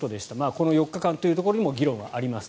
この４日間というところにも議論はあります。